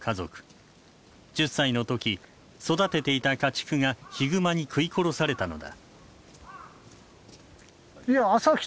１０歳の時育てていた家畜がヒグマに食い殺されたのだ。